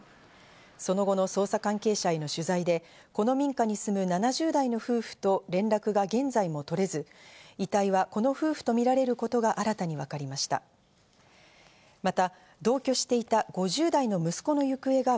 その後の捜査関係者への取材でこの民家に住む７０代の夫婦と連絡が現在も取れず、遺体は、この夫婦とみられることが新たに分かりました。